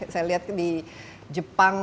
saya lihat di jepang